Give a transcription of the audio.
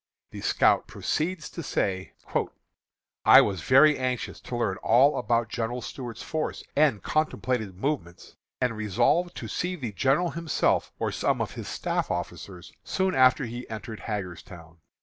The scout proceeds to say: "I was very anxious to learn all about General Stuart's force and contemplated movements, and resolved to see the general himself or some of his staff officers, soon after he entered Hagerstown.